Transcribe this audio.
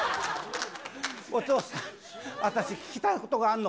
お父さん、私、聞きたいことがあるの。